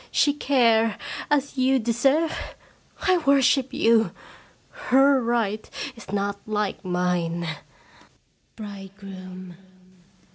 She care as you de serve? I worship you ! Her right is not like mine. Bridegroom.